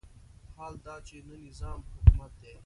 حال دا چې نه نظام حکومت دی.